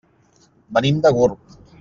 Venim de Gurb.